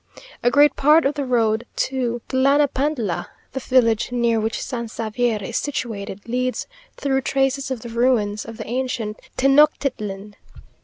A great part of the road to Tlanapantla, the village near which San Xavier is situated, leads through traces of the ruins of the ancient Tenochtitlan.